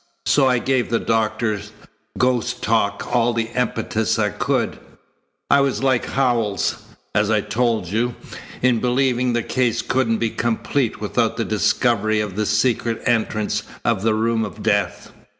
So I gave the doctor's ghost talk all the impetus I could. I was like Howells, as I've told you, in believing the case couldn't be complete without the discovery of the secret entrance of the room of death.